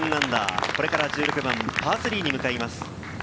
これから１６番パー３に向かいます。